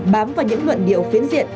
bám vào những luận điệu phiến diện